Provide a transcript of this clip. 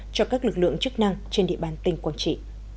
cho các lực lượng chức năng trên địa bàn tỉnh quảng trị